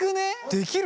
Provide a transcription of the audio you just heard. できる？